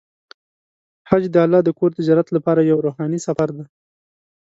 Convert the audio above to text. حج د الله د کور د زیارت لپاره یو روحاني سفر دی.